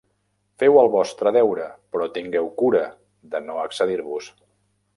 Feu el vostre deure, però tingueu cura de no excedir-vos.